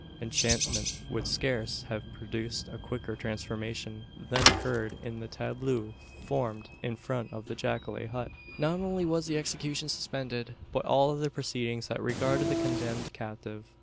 Enchantment could scarce have produced a quicker transformation than occurred in the tableau formed in front of the jacale hut. Not only was the execution suspended, but all other proceedings that regarded the condemned captive.